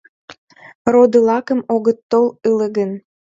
Родылакем огыт тол ыле гын